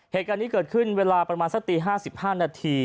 เหตุการณ์นี้เกิดขึ้นเวลาประมาณสักตี๕๕นาที